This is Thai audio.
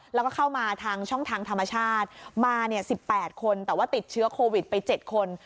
แล้วก็เข้ามาทางช่องทางธรรมชาติมา๑๘คนแต่ว่าติดเชื้อโควิดไป๗คน